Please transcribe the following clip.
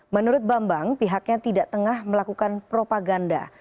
menurut bambang pihaknya tidak tengah melakukan propaganda